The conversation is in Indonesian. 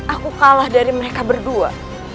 aku kalah dari mereka berdua